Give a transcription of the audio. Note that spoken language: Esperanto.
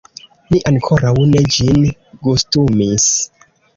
Ni ankoraŭ ne ĝin gustumis.